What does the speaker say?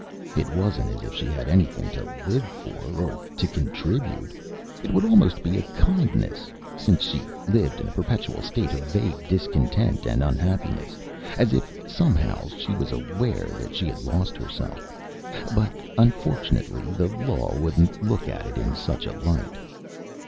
It wasn't as if she had anything to live for or to contribute. It would almost be a kindness, since she lived in a perpetual state of vague discontent and unhappiness, as if somehow aware that she had lost herself. But unfortunately, the law wouldn't look at it in such a light.